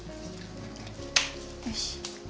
よし。